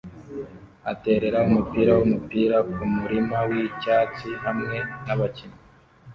aterera umupira wumupira kumurima wicyatsi hamwe nabakinnyi.